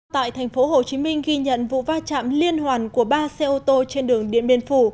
tại thành phố hồ chí minh ghi nhận vụ va chạm liên hoàn của ba xe ô tô trên đường điện biên phủ